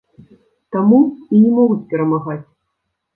Таму і не могуць перамагаць.